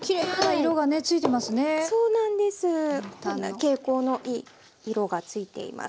蛍光のいい色がついています。